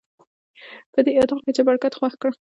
په دې اطاق کې چپرکټ خوښ کړه.